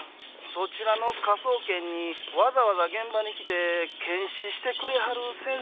「そちらの科捜研にわざわざ現場に来て検視してくれはる先生がいるとか」